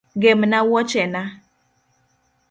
Gemna wuochena.